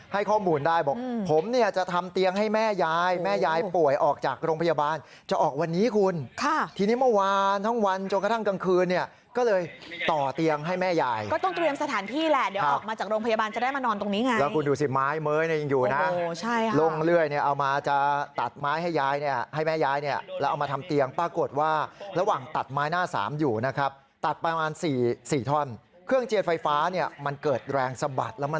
ให้ข้อมูลได้บอกผมเนี่ยจะทำเตียงให้แม่ยายแม่ยายป่วยออกจากโรงพยาบาลจะออกวันนี้คุณค่ะทีนี้เมื่อวานทั้งวันจนกระทั่งกลางคืนเนี่ยก็เลยต่อเตียงให้แม่ยายก็ต้องเตรียมสถานที่แหละเดี๋ยวออกมาจากโรงพยาบาลจะได้มานอนตรงนี้ไงแล้วคุณดูสิไม้เม้ยเนี่ยยังอยู่น่ะโอ้โหใช่ค่ะลงเรื่อยเนี่ยเอา